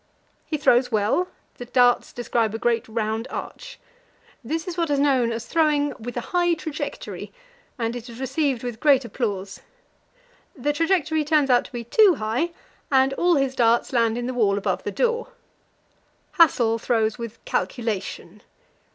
He throws well; the darts describe a great round arch. This is what is known as throwing "with a high trajectory," and it is received with great applause. The trajectory turns out to be too high, and all his darts land in the wall above the door. Hassel throws with "calculation."